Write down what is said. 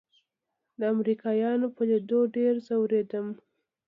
د امريکايانو په ليدو ډېر ځورېدم.